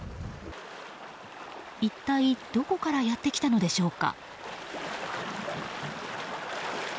一体どこからやってきたのでしょうか。